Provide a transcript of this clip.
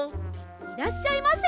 いらっしゃいませ。